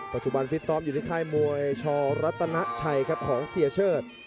ปัจจุบันฟิตซอมยุทธ์ไทยมวยชอรัตนาชัยครับของเสียเชิด